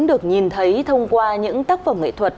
được nhìn thấy thông qua những tác phẩm nghệ thuật